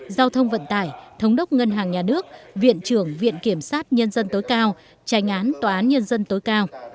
giao thông vận tải thống đốc ngân hàng nhà nước viện trưởng viện kiểm sát nhân dân tối cao tranh án tòa án nhân dân tối cao